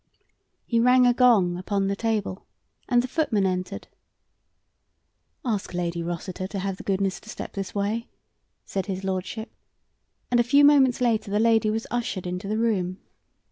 He rang a gong upon the table, and the footman entered. "Ask Lady Rossiter to have the goodness to step this way," said his lordship, and a few moments later the lady was ushered into the room.